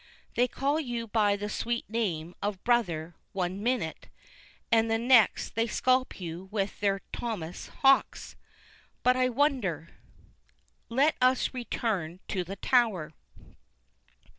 They call you by the sweet name of Brother one minit, and the next they scalp you with their Thomas hawks. But I wander. Let us return to the Tower.